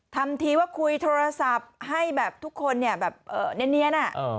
ทำทีว่าคุยโทรศัพท์ให้แบบทุกคนเนี่ยแบบเนียน